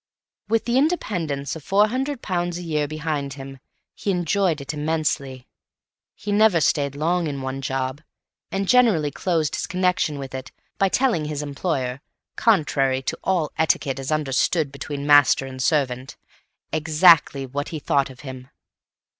With the independence of £400 a year behind him, he enjoyed it immensely. He never stayed long in one job, and generally closed his connection with it by telling his employer (contrary to all etiquette as understood between master and servant) exactly what he thought of him.